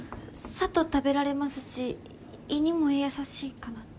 さっと食べられますし胃にも優しいかなって。